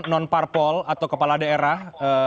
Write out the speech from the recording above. nonparpol atau kepala daerah